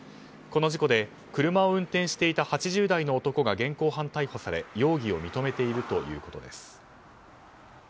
この事故で車を運転していた８０代の男が現行犯逮捕され容疑を認めているということです。